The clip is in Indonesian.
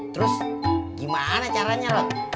terus gimana caranya rot